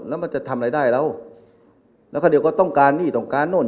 แล้วมันจะทำอะไรได้แล้วแล้วคราวเดียวก็ต้องการหนี้ต้องการโน่น